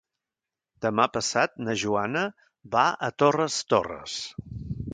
Demà passat na Joana va a Torres Torres.